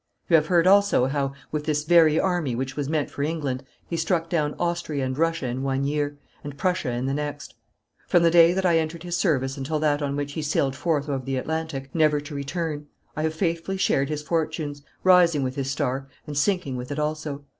You have heard also how, with this very army which was meant for England, he struck down Austria and Russia in one year, and Prussia in the next. From the day that I entered his service until that on which he sailed forth over the Atlantic, never to return, I have faithfully shared his fortunes, rising with his star and sinking with it also.